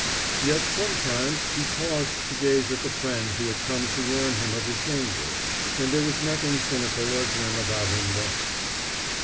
Yet sometimes he paused to gaze at the friend who had come to warn him of his danger; and there was nothing cynical or grim about him then.